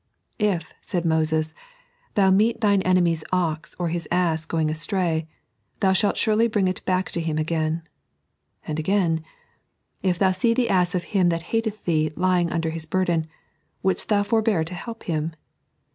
" If," said Moees, " thou meet thine enemy's ox or his ass going astray, thou shalt surely bring it back to him again." And again :" If thou aee the ass of him that hateth thee lying under his burden, wouldat thou forbear to help him